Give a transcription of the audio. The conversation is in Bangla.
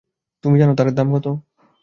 তুমি জানো তার দাম কত?